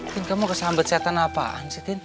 tin kamu kesambet setan apa